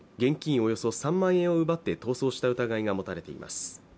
およそ３万円を奪って逃走した疑いが持たれています。